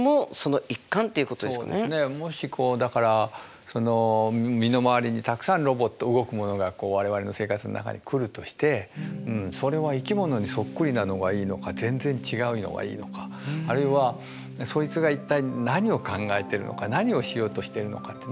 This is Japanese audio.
もしだからその身の回りにたくさんロボット動くものが我々の生活の中に来るとしてそれは生き物にそっくりなのがいいのか全然違うのがいいのかあるいはそいつが一体何を考えてるのか何をしようとしてるのかって